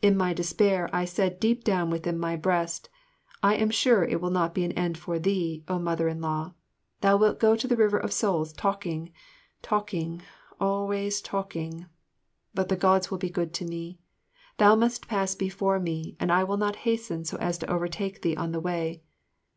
In my despair I said deep down within my breast, "I am sure it will not be an end for thee, O Mother in law. Thou wilt go to the River of Souls talking, talking, always talking but the Gods will be good to me. Thou must pass before me, and I will not hasten so as to overtake thee on the way."